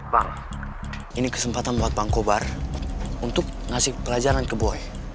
bang ini kesempatan buat bang kobar untuk ngasih pelajaran ke boy